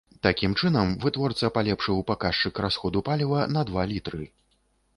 Такім чынам вытворца палепшыў паказчык расходу паліва на два літры.